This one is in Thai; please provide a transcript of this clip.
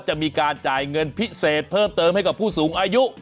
จะมีการจ่ายเงินพิเศษเพิ่มเติมให้กับผู้สูงอายุ